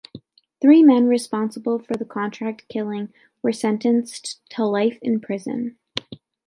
Three men responsible for the contract killing were sentenced to life in prison.